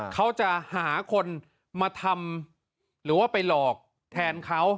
เขาจะหาคนมาทำหรือว่าไปหลอกแทนเขา